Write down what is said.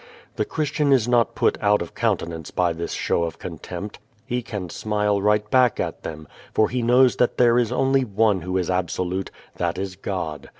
The Christian is not put out of countenance by this show of contempt. He can smile right back at them, for he knows that there is only One who is Absolute, that is God.